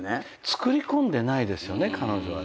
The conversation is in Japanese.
作り込んでないですよね彼女は。